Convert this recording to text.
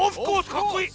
かっこいい！